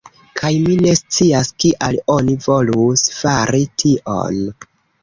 Kaj mi ne scias kial oni volus fari tion.